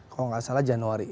kalau gak salah januari